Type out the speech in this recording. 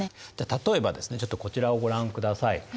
例えばですねちょっとこちらをご覧ください。